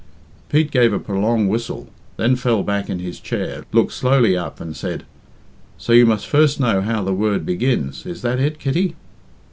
Pete gave a prolonged whistle, then fell back in his chair, looked slowly up and said, "So you must first know how the word begins; is that it, Kitty?"